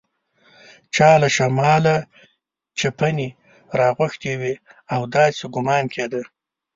چا له شماله چپنې راغوښتي وې او داسې ګومان کېده.